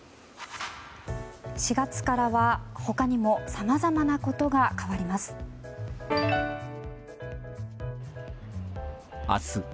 ４月からは、他にもさまざまなことが変わります。